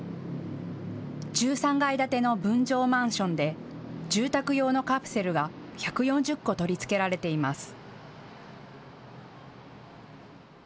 １３階建ての分譲マンションで住宅用のカプセルが１４０個取り付けられています。